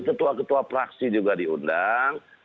ketua ketua praksi juga diundang